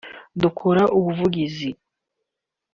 dukora ubuvugizi